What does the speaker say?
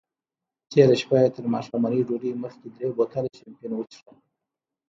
تېره شپه یې تر ماښامنۍ ډوډۍ مخکې درې بوتله شیمپین وڅیښل.